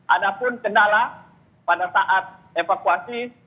ada pun kendala pada saat evakuasi